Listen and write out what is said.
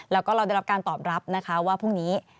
แล้วก็เราได้รับการตอบรับนะคะว่าพรุ่งนี้